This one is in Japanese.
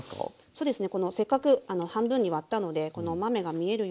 そうですね。